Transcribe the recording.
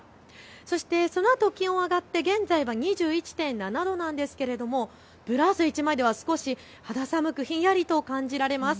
そしてそのあと気温は上がって現在は２１．７度なんですけれどブラウス１枚では少し肌寒くひんやりと感じられます。